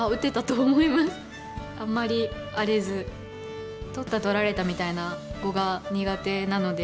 あんまり荒れず取った取られたみたいな碁が苦手なので。